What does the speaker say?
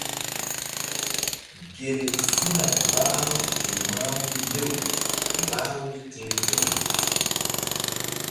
Gel sina bah-u ke mah-u mbew bah-u mí ti̧h ti̧w.